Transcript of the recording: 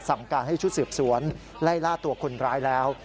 สั่งการให้ชุดสืบสวนไล่ล่าตัวคนร้ายแล้ว